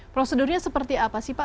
prosedurnya seperti apa